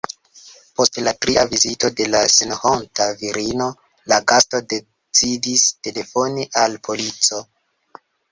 Post la tria vizito de la senhonta virino la gasto decidis telefoni al polico.